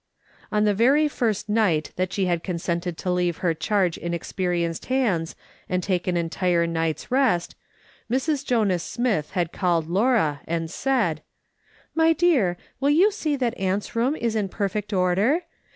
On the very first night that she had consented to leave her charge in experienced hands and take an entire night's rest, Mrs. Jonas Smith had called Laura, and said :" My dear, will you see that aunt's room is in per fect order